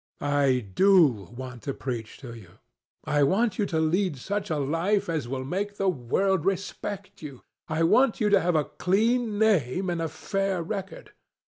I do want to preach to you. I want you to lead such a life as will make the world respect you. I want you to have a clean name and a fair record.